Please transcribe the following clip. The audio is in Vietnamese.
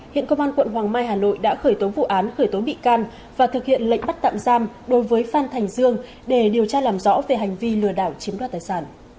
hiện công an quận hoàng mai hà nội đã khởi tố vụ án khởi tố bị can và thực hiện lệnh bắt tạm giam đối với phan thành dương để điều tra làm rõ về hành vi lừa đảo chiếm đoạt tài sản